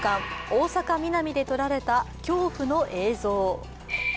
大阪ミナミで撮られた恐怖の映像。